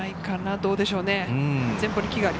どうでしょうかね。